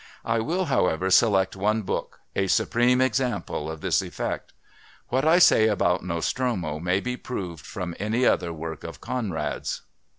I will, however, select one book, a supreme example of this effect. What I say about Nostromo may be proved from any other work of Conrad's.